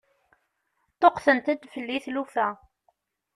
Ṭṭuqqtent-d fell-i tlufa.